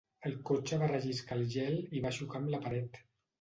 El cotxe va relliscar al gel i va xocar amb la pared.